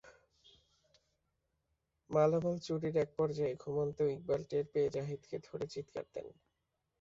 মালামাল চুরির একপর্যায়ে ঘুমন্ত ইকবাল টের পেয়ে জাহিদকে ধরে চিত্কার দেন।